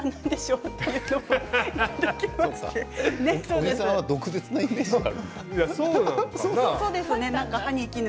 小木さんは毒舌のイメージがあるんですね。